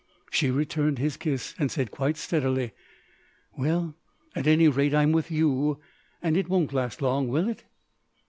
She returned his kiss and said quite steadily: "Well, at any rate, I'm with you, and it won't last long, will it?"